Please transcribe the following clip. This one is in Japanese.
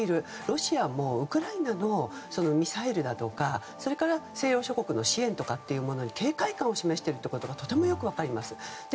ロシアもウクライナのミサイルだとかそれから、西洋諸国の支援に警戒感を示していることがとてもよく分かります。